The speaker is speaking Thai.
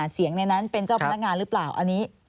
เสียงในนั้นเป็นเจ้าพนักงานหรือเปล่าอันนี้